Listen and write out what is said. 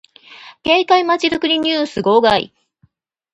景観まちづくりニュース号外